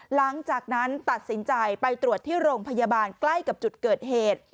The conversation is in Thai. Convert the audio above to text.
หลังจากนั้นตัดสินใจไปตรวจที่โรงพยาบาลใกล้กับจุดเกิดเหตุ